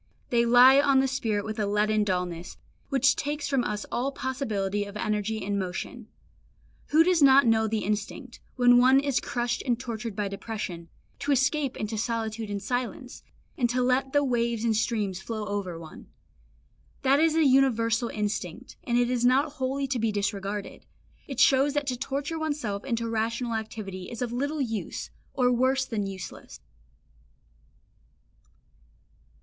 They lie on the spirit with a leaden dullness, which takes from us all possibility of energy and motion. Who does not know the instinct, when one is crushed and tortured by depression, to escape into solitude and silence, and to let the waves and streams flow over one. That is a universal instinct, and it is not wholly to be disregarded; it shows that to torture oneself into rational activity is of little use, or worse than useless.